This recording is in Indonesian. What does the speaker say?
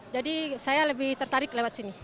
jadi saya lebih tertarik lewat sini